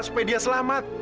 supaya dia selamat